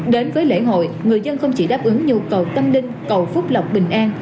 đến với lễ hội người dân không chỉ đáp ứng nhu cầu tâm linh cầu phúc lộc bình an